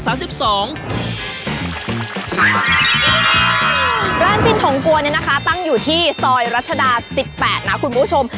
ร้านตินถงกวนเนี่ยนะคะตั้งอยู่ที่ซอยรัชดา๑๘นะคุณผู้ชม